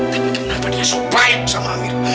tapi kenapa dia sebaik sama amirah